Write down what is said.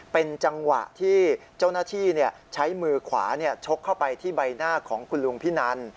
เป็นจังหวะที่เจ้าหน้าที่ใช้มือขวาชกเข้าไปที่ใบหน้าของคุณลุงพินัน